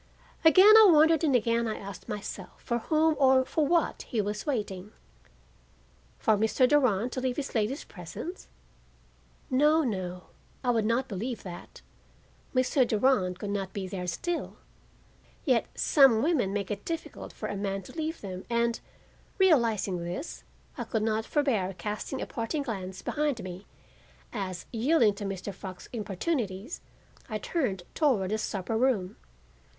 Again I wondered and again I asked myself for whom or for what he was waiting. For Mr. Durand to leave this lady's presence? No, no, I would not believe that. Mr. Durand could not be there still; yet some women make it difficult for a man to leave them and, realizing this, I could not forbear casting a parting glance behind me as, yielding to Mr. Fox's importunities, I turned toward the supper room.